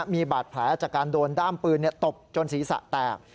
มีบาดแผลจากการโดนด้ามปืนตบจนศีรษะแตก